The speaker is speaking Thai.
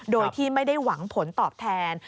โดยที่ไม่ได้หวังผลตอบแทน